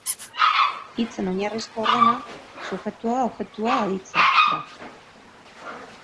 Hitzen oinarrizko ordena subjektua-objektua-aditza da.